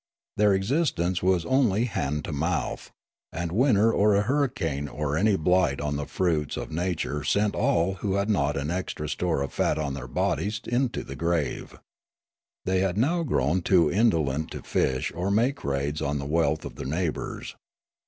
Their existence was onl}' hand to mouth ; and winter or a hurricane or any blight on the fruits of nature sent all who had not an extra store of fat on their bodies into the grave. 154 Riallaro They had now grown too indolent to fish or make raids on the wealth of their neighbours.